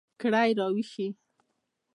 کړئ را ویښې